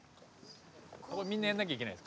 ここはみんなやらなきゃいけない？